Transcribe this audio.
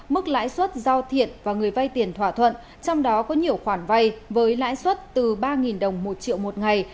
mức lãi suất do thiện và người vay tiền thỏa thuận trong đó có nhiều khoản vay với lãi suất từ ba đồng một triệu một ngày